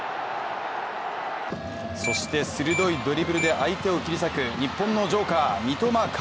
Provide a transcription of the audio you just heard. そして鋭いドリブルで相手を切り裂く日本のジョーカー・三笘薫。